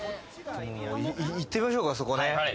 行ってみましょうか、あそこね。